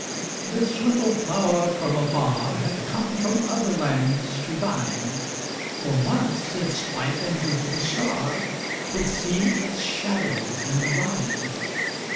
This little flower from afar Hath come from other lands to thine; For, once, its white and drooping star Could see its shadow in the Rhine.